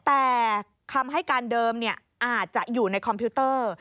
แต่คำให้การเดิมอาจจะอยู่ในคอมพิวเตอร์